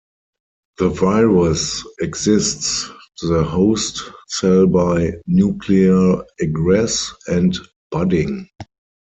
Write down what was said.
The virus exits the host cell by nuclear egress, and budding.